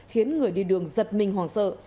khiến người đi đường giật mình hoàng sợ